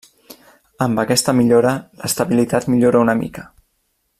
Amb aquesta millora, l'estabilitat millora una mica.